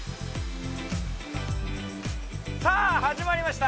さあ始まりました！